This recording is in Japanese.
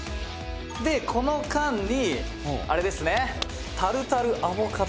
「でこの間にあれですね？」